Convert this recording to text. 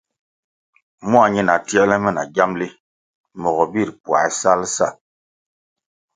Mua ñina tierle me na giamli mogo bir puáh sal sa.